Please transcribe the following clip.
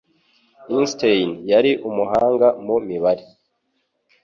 Einstein yari umuhanga mu mibare.